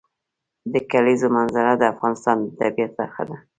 د کلیزو منظره د افغانستان د طبیعت برخه ده.